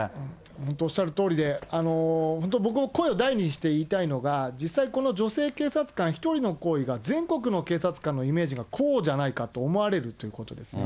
本当、おっしゃるとおりで、本当、僕も声を大にして言いたいのが、実際、この女性警察官一人の行為が、全国の警察官のイメージが、こうじゃないかと思われるということですね。